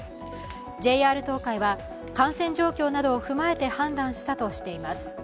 ＪＲ東海は感染状況などを踏まえて判断したとしています。